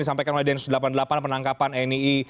disampaikan oleh densus delapan puluh delapan penangkapan nii